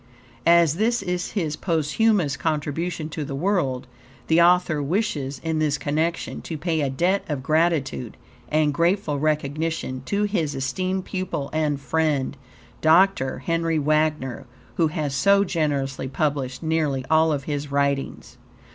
As this is his posthumous contribution to the world, the author wishes, in this connection, to pay a debt of gratitude and grateful recognition to his esteemed pupil and friend, Dr. Henry Wagner, who has so generously published nearly all of his writings.